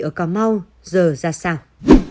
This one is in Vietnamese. ở cà mau giờ ra sao